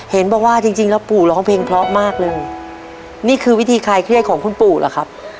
เห็นบอกว่าจริงจริงแล้วปู่ร้องเพลงเพราะมากเลยนี่คือวิธีคลายเครียดของคุณปู่เหรอครับ